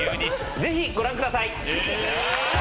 ぜひご覧ください。